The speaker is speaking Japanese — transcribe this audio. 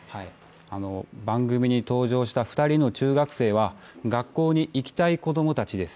番組に登場した２人の中学生は学校に行きたい子供たちです。